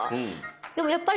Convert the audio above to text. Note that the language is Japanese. でもやっぱり。